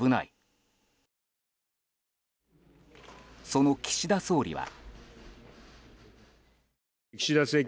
その岸田総理は。